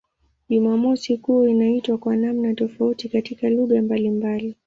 Jumamosi kuu inaitwa kwa namna tofauti katika lugha mbalimbali.